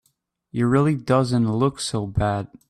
He really doesn't look so bad.